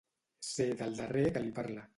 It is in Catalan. Ser del darrer que li parla.